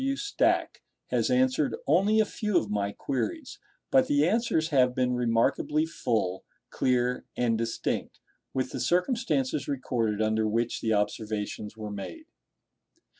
W. Stack has answered only a few of my queries; but the answers have been remarkably full, clear, and distinct, with the circumstances recorded under which the observations were made.